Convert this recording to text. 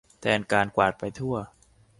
แทนการกวาดไปทั่ว